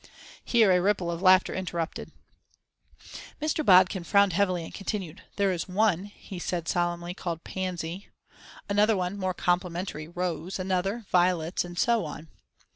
Here a ripple of laughter interrupted. Mr. Bodkin frowned heavily, and continued: "There is one," he said solemnly, "called Pansy; another one more complimentary Roses, another, Violets, and so on."